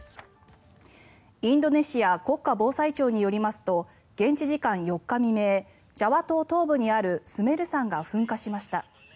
インドネシア国家防災庁によりますと、現地時間４日未明ジャワ島東部にあるスメル山が噴火しました。